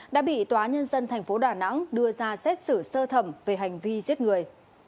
đã bị tòa nhân dân tp đà nẵng đưa ra xét xử sơ thẩm về hành vi giết người